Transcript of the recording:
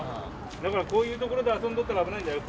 だから、こういうところで遊んどったら危ないんだよ。